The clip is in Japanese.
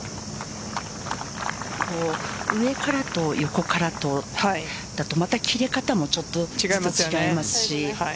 上からと横からとだとまた切れ方もちょっと違いますし。